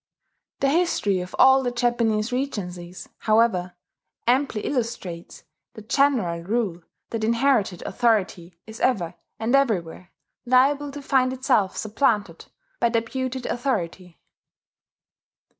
The history of all the Japanese regencies, however, amply illustrates the general rule that inherited authority is ever and everywhere liable to find itself supplanted by deputed authority.